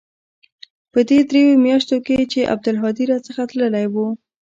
په دې درېو مياشتو کښې چې عبدالهادي را څخه تللى و.